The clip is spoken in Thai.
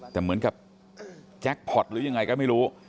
แต่เหมือนกับแจ็คพอร์ตหรือยังไงก็ไม่รู้